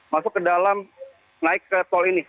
masuk ke dalam naik ke tol ini